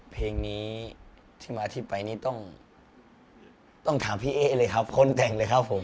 เพลงนี้ที่มาที่ไปนี่ต้องถามพี่เอ๊เลยครับคนแต่งเลยครับผม